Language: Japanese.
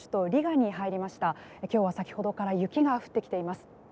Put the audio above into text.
今日は先ほどから雪が降ってきています。